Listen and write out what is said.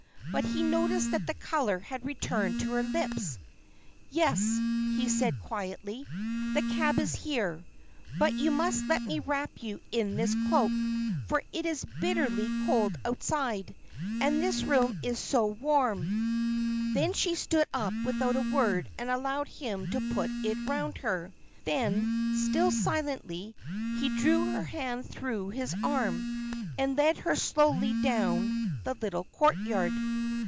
But he noticed that the colour had returned to her lips. "Yes," he said, quietly. "The cab is here. But you must let me wrap you in this cloak, for it is bitterly cold outside, and this room is so warm." Then she stood up without a word, and allowed him to put it round her; then, still silently, he drew her hand through his arm, and led her slowly down the little courtyard.